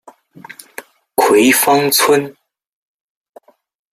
葵芳邨。